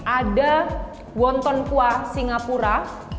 ada wonton kuah singapura